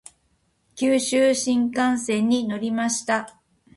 九州新幹線に乗りました。